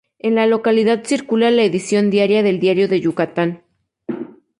En la localidad circula la edición diaria del Diario de Yucatán.